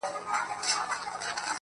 نن داخبره درلېږمه تاته~